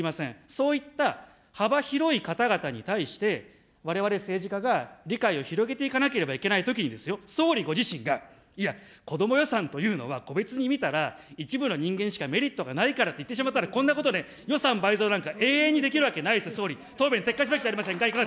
そういった幅広い方々に対して、われわれ政治家が理解を広げていかなければいけないときにですよ、総理ご自身が、いや、子ども予算というのは個別に見たら一部の人間にしかメリットがないからと言ってしまったら、こんなことで予算倍増なんか永遠にできるわけがありませんよ、答弁、撤回すべきじゃありませんか。